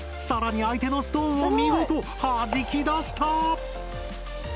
更に相手のストーンを見事はじき出した！